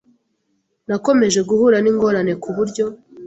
Nakomeje guhura n’ingorane kuburyo